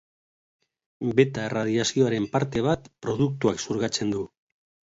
Beta erradiazioaren parte bat produktuak xurgatzen du.